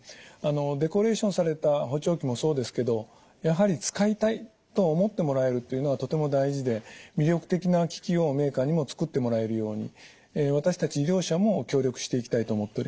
デコレーションされた補聴器もそうですけどやはり使いたいと思ってもらえるというのはとても大事で魅力的な機器をメーカーにも作ってもらえるように私たち医療者も協力していきたいと思っております。